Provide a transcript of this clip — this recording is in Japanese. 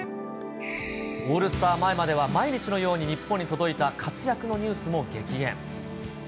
オールスター前までは、毎日のように日本に届いた活躍のニュースも激減。